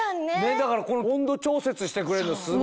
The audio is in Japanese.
だからこの温度調節してくれるのすごいよね。